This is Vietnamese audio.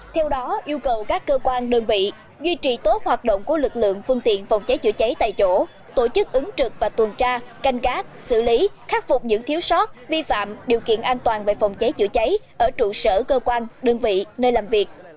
theo đó yêu cầu các cơ quan đơn vị duy trì tốt hoạt động của lực lượng phương tiện phòng cháy chữa cháy tại chỗ tổ chức ứng trực và tuần tra canh gác xử lý khắc phục những thiếu sót vi phạm điều kiện an toàn về phòng cháy chữa cháy ở trụ sở cơ quan đơn vị nơi làm việc